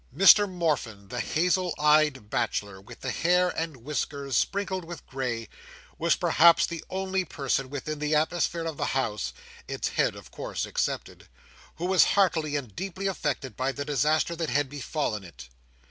Mr Morfin, the hazel eyed bachelor, with the hair and whiskers sprinkled with grey, was perhaps the only person within the atmosphere of the House—its head, of course, excepted—who was heartily and deeply affected by the disaster that had befallen it.